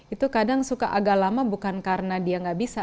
itu kadang suka agak lama bukan karena dia nggak bisa